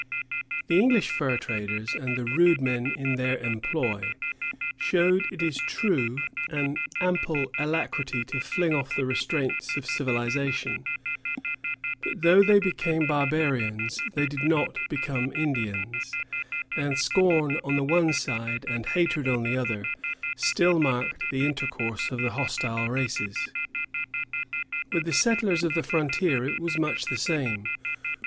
The English fur traders, and the rude men in their employ, showed it is true an ample alacrity to fling off the restraints of civilization; but though they became barbarians, they did not become Indians; and scorn on the one side and hatred on the other still marked the intercourse of the hostile races. With the settlers of the frontier it was much the same.